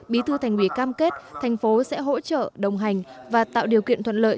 bí thư thành ủy cam kết tp hcm sẽ hỗ trợ đồng hành và tạo điều kiện thuận lợi